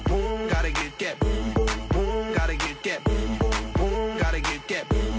โอ้โหอะไรมันจะขนาดนั้น